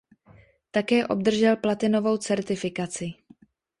Také obdržel platinovou certifikaci.